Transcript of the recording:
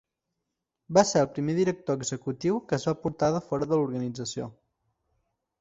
Va ser el primer director executiu que es va portar de fora de l'organització.